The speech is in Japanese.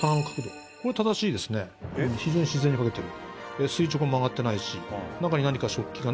非常に自然に描けてる。